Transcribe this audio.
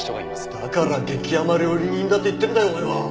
だから激甘料理人だと言ってるんだよ俺は。